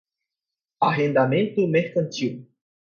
Arrendamento Mercantil